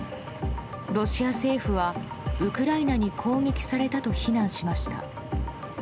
ロシア政府はウクライナに攻撃されたと非難しました。